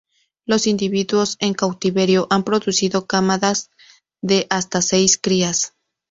Los individuos en cautiverio han producido camadas de hasta seis crías.